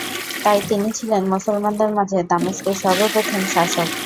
তাই তিনি ছিলেন মুসলমানদের মাঝে দামেস্কের সর্ব প্রথম শাসক।